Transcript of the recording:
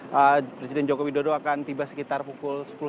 jadi presiden joko widodo akan tiba sekitar pukul sepuluh tiga puluh